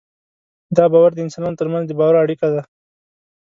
دا باور د انسانانو تر منځ د باور اړیکه ده.